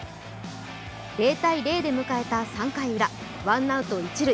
０−０で迎えた３回ウラワンアウト一塁。